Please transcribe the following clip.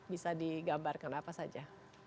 bisa digambarkan apa saja